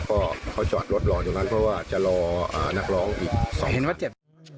เขาก็จอดรถรอนอยู่นั้นเพราะว่าจะรอนักร้องอีก๒นาที